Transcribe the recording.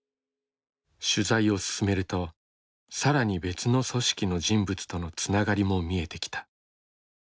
取材を進めると更に別の組織の人物とのつながりも見えてきた。